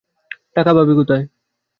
টাকা পাবে কোথায়?